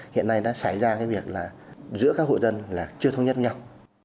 hiện nay đã xảy ra cái việc là giữa các hội dân là chưa thông nhất nhau